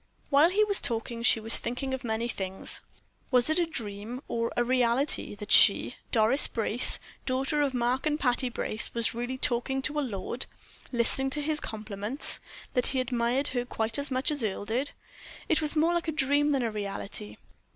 While he was talking, she was thinking of many things. Was it a dream, or a reality, that she, Doris Brace, daughter of Mark and Patty Brace, was really talking to a lord, listening to his compliments, that he admired her quite as much as Earle did? It was more like a dream than a reality.